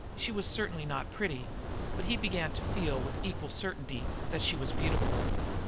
She was certainly not pretty, but he began to feel with equal certainty that she was beautiful.